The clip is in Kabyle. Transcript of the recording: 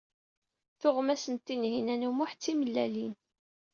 Tuɣmas n Tinhinan u Muḥ d timellalin.